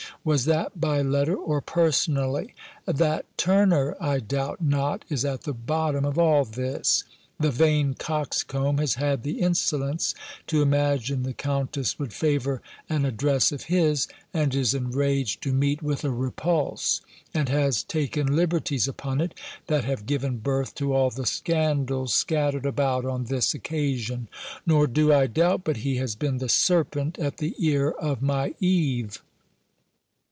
Was that by letter or personally? That Turner, I doubt not, is at the bottom of all this. The vain coxcomb has had the insolence to imagine the Countess would favour an address of his; and is enraged to meet with a repulse; and has taken liberties upon it, that have given birth to all the scandals scattered about on this occasion. Nor do I doubt but he has been the Serpent at the ear of my Eve."